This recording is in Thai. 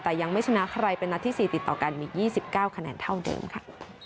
แต่ยังไม่ชนะใครเป็นนัดที่๔ติดต่อกันมี๒๙คะแนนเท่าเดิมค่ะ